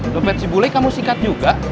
lopet sibule kamu singkat juga